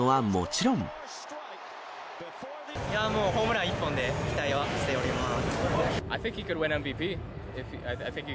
いやー、もうホームラン１本で期待はしております。